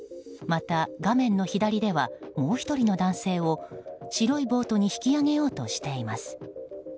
また、画面の左ではもう１人の男性を白いボートに引き上げようとしています。